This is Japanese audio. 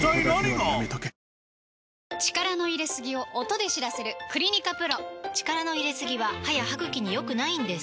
力の入れすぎを音で知らせる「クリニカＰＲＯ」力の入れすぎは歯や歯ぐきに良くないんです